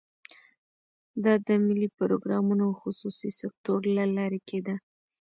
دا د ملي پروګرامونو او خصوصي سکتور له لارې کېده.